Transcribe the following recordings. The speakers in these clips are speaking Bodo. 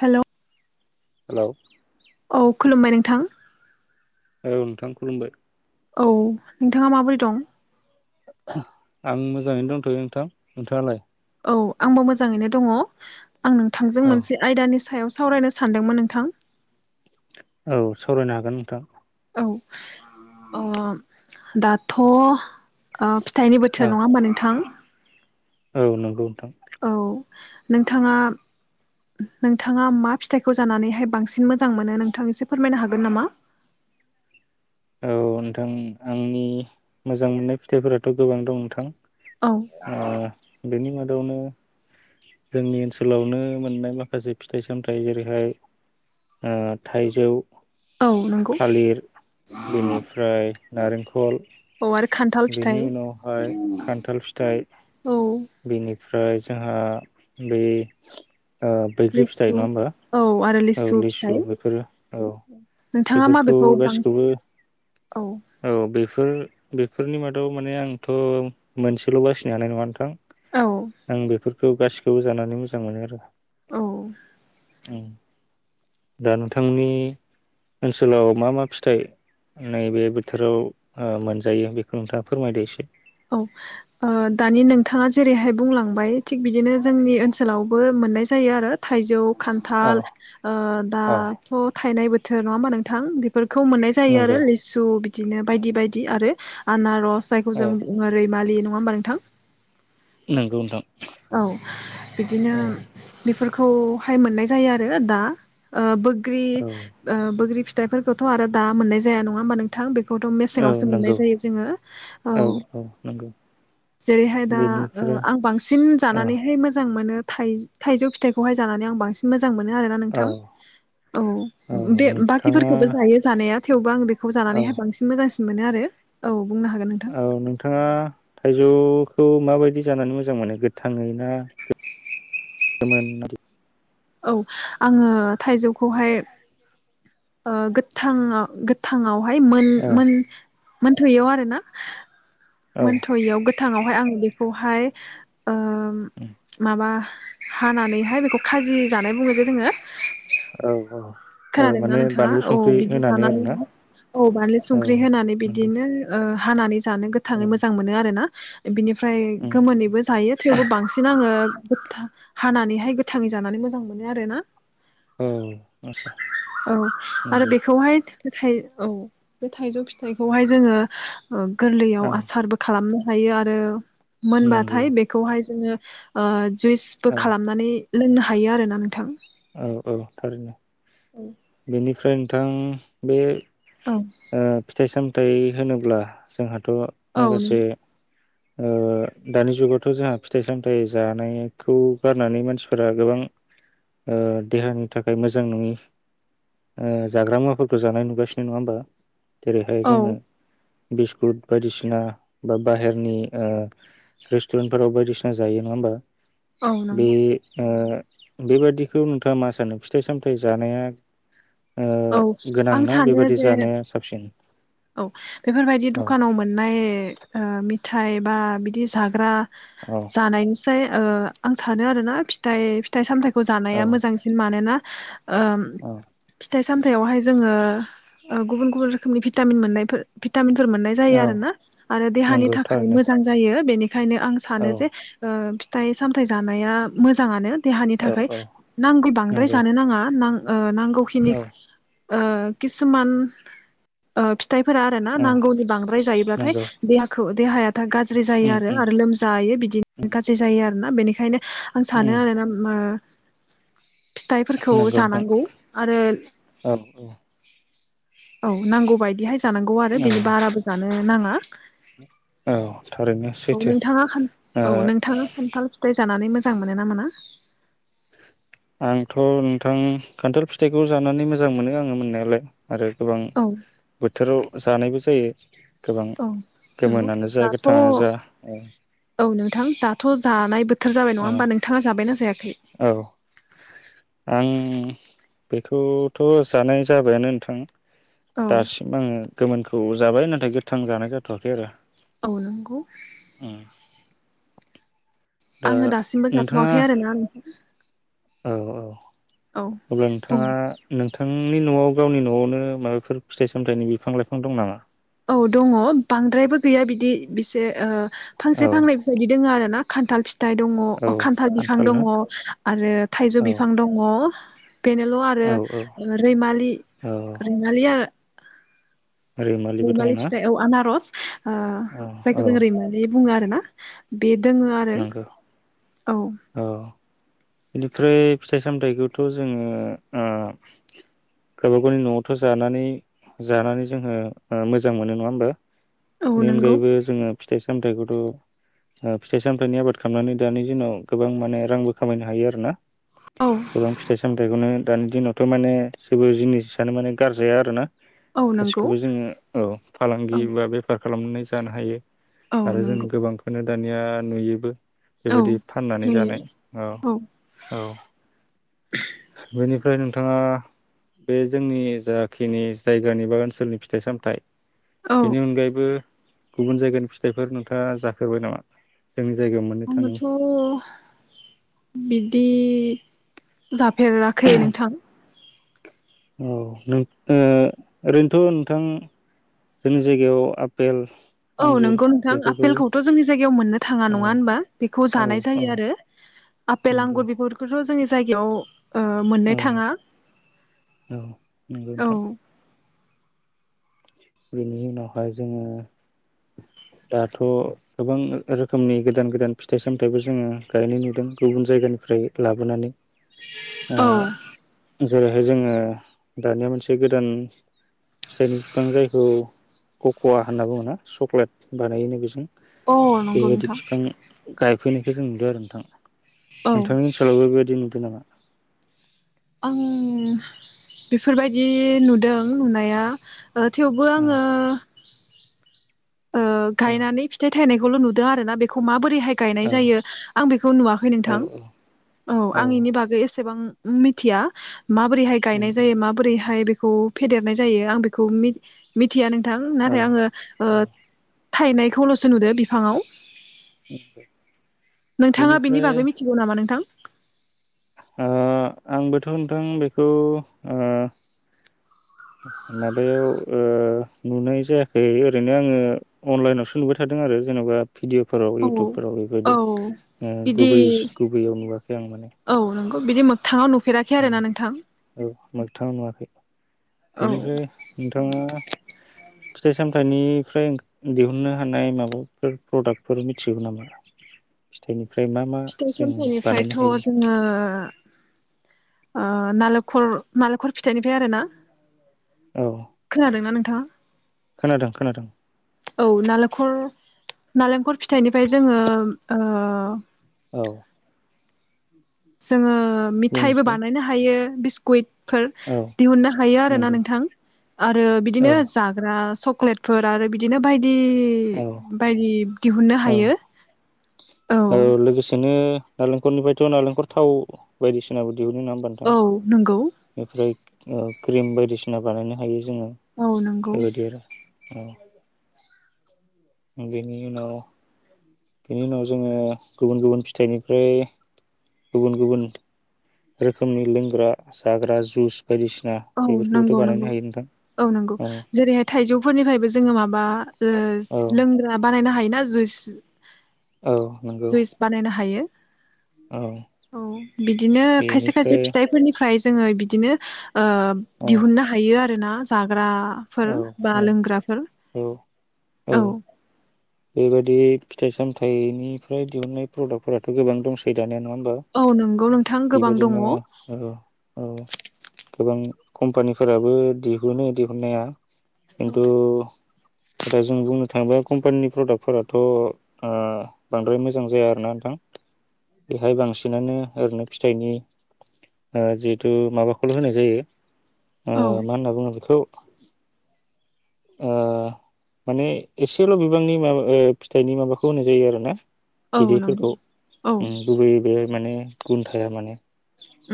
हेल'। हेल'। औ खुलुमबाय नोंथां। औ नोंथां खुलुमबाय। औ नोंथाङा माबोरै दं? आं मोजाङैनो दंथ'यो नोंथां नोंथाङालाय? औ आंबो मोजाङैनो दङ। आं नोंथांजों औ मोनसे आयदानि सा सायाव सावरायनो सानदोंमोन नोंथां। औ सावरायनो हागोन नोंथां। औ ओ दाथ'। फिथाइनि औ बोथोर नङा होमबा नोंथां। औ नंगौ नोंथां। औ नोंथाङा नोंथाङा मा फिथाइखौ जानानैहाय बांसिन मोजां मोनो नोंथां एसे फोरमायनो हागोन नामा? औ नोंथां आंनि मोजां मोननाय फिथाइफोराथ' गोबां दं नोंथां। औ ओ बेनि मादा [unintelligible] जोंनि ओनसोलावनो मोननाय माखासे फिथाइ सामथाइ जेरैहाय ओ थाइजौ औ नंगौ। थालिर बेनिफ्राय नारेंख खल औ आरो खान्थाल फिथाइ बेनि उनावहाय खान्थाल फिथाइ औ बेनिफ्राय जोंहा बे - बैग्रि लिसु फिथाइ नङा होमबा? औ आरो औ फिथाइ लिसु बेफोरो औ नोंथाङा बेफोरखौ माबेखौ गासिखौबो बांसिन औ औ बे बफोर बेफोरनि मादाव माने आंथ' मोनसेल' बासिनो हानाय नङा नोंथां औ खौ गासिखौबो जानानै मोजां मोनो आरो औ औ दा नोंथांनि ओनसोलाव मा मा फिथाइ नैबे बोथोराव ओ मोनजायो बेखौ नोंथाङा फोरमायदो एसे औ ओ दानि नोंथाङा जेरैहाय बुंलांबाय थिग बिदिनो जोंनि ओनसोलावबो मोननाय जायो आरो थाइजौ औ खान्थाल ओ औ दाथ' थायनाय बोथोर थोर नङा होनबा नोंथां बेफोरफोर खौ मोननाय जायो आरो नंगौ लिसु बिदिनो बायदि बायदि आरो आनारस जायखौ औ जों रैमालि नङा होमबा नोंथां नंगौ नोंथां औ बिदिनो औ बेफोर खौ हाय मोननाय जायो आरो दा ब्रि बोग्रि फिथाइफोरखौथ' आरो दा मोननाय जाया नङा होमबा नोंथां बे खौथ' औ मेसेंवसो मोननाय नंगौ जायो जोङो औ जेरैहाय दा ओ बेनिफ्राय आं बांसिन औ जानानैहाय मोजां मोनो थाय-थाइजौ फिथाइखौहाय जानानै आं बांसिन मोजां मोजां मोनो आरोना औ नोंथां औ बे बाखिफोरखौबो जायो जानाया थेवबो आं बे खौ औ जानानैहाय बांसिन मोजांसिन मोनो आरो औ बुंनो हागोन नोंथां खौ माबायदि जानानै मोजां मोनो गोथाङै ना गोन गोमोन औ आङो थाइजौखौहाय औ गोथां गोथाङाव हाय मोन औ मोन मोनथयियाव आरोना औ मोनथयियाव गोथाङावहाय आङो बेखौहाय ओ माबा हानानैहाय बेखौ खाजि जानाय बुङो जोङो औ औ औ खोनादोंना माने नोंथाङा बानलु औ संख्रि बिदि होनानै जानानै आरोना औ बानल औ संख्रि होनानै नंगौ बिदिनो ओ हानानै जानो औ गोथाङै मोजां मोनो आरो ना बिनि ओमफ्राय उम गोमोनैबो जायो थेवबो बांसिन आङो गोथ हानानैहाय गोथाङै जानानै मोजां मोनो आरो ना औ आस्सा औ आरो नंगौ बेखौहाय बे थ औ बे थाइजौ फिथाइखौहाय जोङो गोरलैयाव औ आसारबो खालामनो थायो आरो नंगौ मोनबाथाय बेखौहाय जोङो [inaudible] जुइसबो औ खालामनानै लोंनो हायो आरोना नोंथां। औ औ थारैनो। बेनि फ्राय नोंथां बे औ ओ फिथाइ साम हाथाय होनोब्ला जोंहा थ' औ माखासे ओ दानि जुगावथ' जोंहा फिथाइ सामथाइ जानायखौ गारनानै मानसिफोरा गोबां देहानि थाखाय मोजां नङि जाग्रा मुवाफोरखौ जानाय नुगासिनो नङा होमबा जेरैहाय औ जोङो बिस्कुट बायदिसिना बा बाहेरनि औ नंगौ बे ओ बेबादि बेखौ नोंथाङा मा सानो फिथाइ सामथायाइ जानाया औ आं गोनांना सानो बेबादि जे जानाया साबसिन औ बेफोरबायदि औ दुखानाव मोननाय ओ मिथाय बा बिदि जाग्रा औ जानायनि सि ओ आं सानो आरोना फिथाइ फिथाइ सामथाइ खौ औ जानाया मोजांसिन मानोना औ फिथाइ सामथायावहाय जोङो ओ ओ गुबन गुबुन रोखोमनि भिटामिन मोननायफोर भिटामिनफोर मोननाय जायो औ आरोना आरो देहानि नंगौ थाखाय थारैनो मोजां जायो बेनि बेखायनो आं औ सानो जे ओ फिथथाय सामथायाइ जानाया मोजाङानो। देहानि औ थाखाय औ नांगौ बांद्राय नंगौ जानो नाङा नां ओ नांगौखिनि औ ओ किसुमान अफि फिथाइफोरा आरो ना औ नांगौनि बांद्राय जायोब्लाथाय नंगौ देहाखौ देहायाथा गाज्रि जायो उम आरो उम आरो लोमजायो उम बिदिनो गाज्रि जायो आरो। ना बेनिखायनो आं सानो उम आरोना ओ फिथाइफोरखौ नंगौ नोंथां जानांगौ आरो औ औ औ नांगौ बाय बेहाय जानांगौ आरो बेनि औ बाराबो जानो नाङा औ थारैनो सैथो ओ [unintelligible] नानै मोजां मोनो ना मोना आंथ' नोंथां खान्थाल फिथाइखौ जानानै आरो गोबां औ बोथोराव जानायबो जायो गोबां औ नंगौ गोमोनानो जा दाथ' गोथाङानो जा औ नोंथां दाथ' जानाय बो थोर जाबाय नङा औ होमबा नोंथाङा जाबायना जायाखै औ आं बेखौथ' जानाय जाबायानो नोंथां औ दासिम आङो गोमोनखौ औ जाबाय नाथाय गोथां जानाय जाथ'वाखै आरो औ नंगौ उम दा आङो दासिमबो नोंथाङा जाथ'वाखै आरोना नोंहां औ औ अब्ला बुं नोंथाङा नों नोंथांनि न'आव गावनि न'आवनो माबाफोर फिथाइ सामथायाइनि बिफां लाइफां दं नामा औ दङ बांद्रायबो गैया बिदि बिसे ओ फांसे फांनै बेफोरबायदि दोङ आरो ना खान्थाल फि फिथाइ दङ औ खान्थाल बिफां ना दङ आरो थायजौ औ बिफां दङ बेनोल' आरो औ औ रैमालि औ रैमालि आरो रैमालिबो रैमालि दंना फिथाइ औ आनारस औ औ जायखौ जों रैमालि बुङो आरो ना बे दोङो आरो नंगौ औ बेनिफ्राय फिथाइ सामथाइखौथ' जोङो ओ गावबा गावनि न'आवथ' जानानै जानानै जोङो मोजां मोनो नङा होमबा औ बेनि नंगौ अनगायैबो जोङो फिथाइ सामथाइखौथ' फिथाइ सामथाइनि आबाद खालामनानै दानि दिनाव गोबां माने रांबो खामायनो हायो आरो ना औ गोबां फिथाइ सामथायाइखौनो दानि दिनावथ' माने जेबो जिनिसानो माने गारजाया आरोना औ नंगौ गासिखौबो जोङो औ औ फालांगि बा बेफार खालामनानै जानो हायो औ आरो जों नंगौ गोबांखौनो दानिया नुयोबो औ बेबायदि फाननानै नुयो जानाय औ औ बेनिफ्राय नोंथाङा बे जोंनि जाखिनि जायगानि बा ओनसोलनि फिथाइ सामथाइ औ बेनि अनगायैबो गुबुन जायगानि फिथाइफोर नोंथाङा जाफेरबाय नामा जोंनि जायगायाव मोननो थाङि आङोथ' बिदि जाफेराखै नोंथां औ नोंथांआ ओरैनोथ' नोंथां जोंनि जायगायाव आफपेल औ नोंगौ नोंथां आफेलखौथ' जोंनि जायगायाव मोननो थाङा औ नङा होनबा बेखौ औ जानाय औ जायो आरो आफपेल नंगौ आंगुर बेफोरखौथ' जोंनि जायगायाव मोननो औ थाङा नंगौ औ नोंथां बेनि उनावहाय जोङो दाथ' गोबां रोखोमनि गोदान गोदान फिथाइ सामथायाइबो जोङो गायनाय नुदों गुबुन जायगानिफ्राय लाबोनानै ओ औ जेरै जोङो दानिया मोनसे गोदान फिथाइनि बिफां जायो कक'वा होनना बुङो चक्लेट बानायोनो बेजों अ नंगौ बेबायदि नोंथां बिफां गायफैनायखौ जों नुदों आरो नोंथां औ नोंथांनि ओनसोलावबो बेबायदि नुदों नामा आं बेफोरबायदि नुदों नुनाया थेवबो आङो ओ औ गायनानै फिथाइ थायनाय खौल' नुदों आरो ना बेखौ माबोरै बोरैहाय औ गायनाय जायो आं बेखौ नुवाखै औ नोंथां औ आं इनि बागै एसेबां मिथिया माबोरैहाय उम गायनाय उम जायो माबोरैहाय बे खौ फेदेरनाय जायो आं बेखौ मिथिया नों थां औ नाथाय आङो औ बत थायनायखौल'सो नुदो बिफाङाव नोंथाङा बिनि बेनिफ्राय बागै मिथिगौ नामा नोंथां? ओ आंबोथ' नोंथां बेखौ ओ माबायाव ओ नुनाय जायाखै ओरैनो आङो अनलाइनावसो नुबाय थादों आरो जेन'बा भिदिवफोराव इउटुबफोराव औ बेबायदि ओं बिदि गुबै गुबैयाव नुवाखै आं माने। औ नंगौ बिदि मोगथाङाव नु उम औ मोगथाङा नुवाखै। औ बेनिफ्राय नोंथाङा फिथाइ सामथाइनिफ्राय ओ दिहुननो हानाय माबाफोर प्रडाक्टफोर मिथिगौ नामा फिथाइनि फिथाइ सामथाइनिफ्रायथ' जोङो ओ नालेंखर नालेंखर फिथाइनिफ्राय आरो ना औ खोनादोंना नों थाङा? खोनादों खोनादों औ नालेंखर नालेंखर फिथाइनिफ्राय जोङो ओ औ। जोङो ओ मिथाइबो बुंनोसै बानायनो हायो, बिस कुइड फोर औ दिहुननो हायो आरोना नंगौ नोंथां आरो औ बिदिनो जाग्रा स क्लेटफोर आरो बिदिनो बाय दि औ बायदि दिहुननो औ हायो। औ। खरनिफ्रायथ' नालेंखर थाव बायदिसिनाबो दिहुनो नङा होनबा नोंथां? औ नंगौ बेनिफ्राय ओ क्रिम बायदिसिना बानायनो हायो जोङो औ नंगौ बेबायदि आरो। औ। बेनि उनाव बेनि उनाव जोङो गुबुन गुबुन फिथाइनिफ्राय गुबुन गुबुन रोखोमनि लोंग्रा जाग्रा जुस बायदिसिना औ बेफोरखौबोथ' नंगौ बानायनो नंगौ हायो नोंथां औ नंगौ जेरैहाय थाइजौफोरनिफ्रायबो जोङो माबा ओ औ जुस लोंग्रा बानायनो हायो ना जुइच औ नंगौ जुइस बानायनो हायो। औ औ बिदिनो खायसे खायसे बेनिफ्राय फिथाइफोरनिफ्राय जोङो बिदिनो ओ औ दिहुननो हायो आ रो ना जाग राफोर औ बा औ लोंग्राफोर औ औ बेबायादि फिथाइ सामथाइनिफ्राय दिहुननाय प्रडाक्टफोराथ' गोबां दंसै दानिया नङा होम औ नंगौ नोंथां गोबां दङ। औ औ गोबां कम्पानिफोराबो दिहुनो दिहुननाया। खिन्थु दा जों बुंनो थाङोबा कम्पानिनि प्रडाक्फोराथ' ओ बांद्राय मोजां जाया आरोना नोंथां बेहाय बांसिनानो ओरैनो फिथाइनि जिहेथु माबाखौल' होनाय जायो। ओ मा होनना बुङो बेखौ आ माने एसेल बिब बांनि माबा ओ फिथाइनि माबाखौ होनाय जायो आरो ना औ नंगौ बिदैफोरखौ औ गुबैय बे माने गुन थाया माने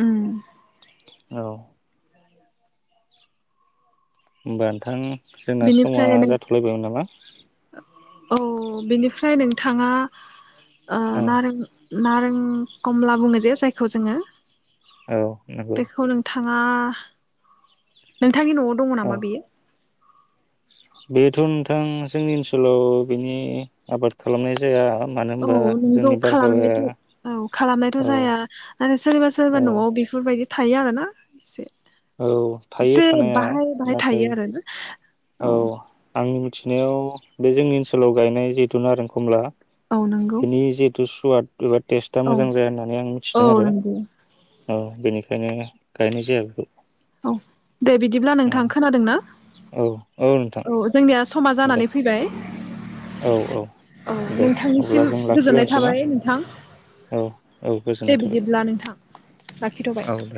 उम औ होमबा नोंथांनि जोंना समा बेनिफ्राय नों जाथ'लायबायमोन नामा? थाङा औ नारें नारें कमला बुङो जे जायखौ जोङो। औ नंगौ बेखौ नोंथा थाङा नों नोंथांनि न'आव दङ औ नामा बियो? बेथ' नोंथां जोंनि ओनसोलाव बिनि आबाद खालामनाय जाया। मानो औ होनबा नोंगौ जोंनि बारहावाया खालामनायथ' औ खालामनायथ' औ जाया आरो सोरबा सोरबा औ न'आव बेफोरबायदि थायो आरोना। से औ थायो इसे थानाया बाहाय बाहाय नाथाय थायो आरो ना। औ आ आंनि मिथिनायाव बे जोंनि ओनसोलाव गायनाय जिहेथुुन नारें आरो खमला औ नंगौ बेनि जिहेथु सुवाद एबा टेस्टआ औ मोजां जाया होननानै आं औ मिथिदों आरो नंगौ ओ बेनि खायनो गायनाय जाया बेखौ। औ दे बिदिब्ला नोंथां औ खोनादों ना औ नोंथां औ जोंनिया समा दे जानानै फैबाय औ औ औ दे अब्ला नोंथांनिसिम जों गोजोननाय लाखिलायनोसै ना थाबाय नोंथां औ औ गोजोननाय दे थाबाय बिदिब्ला नोंथां लाखिथ'बाय औ दे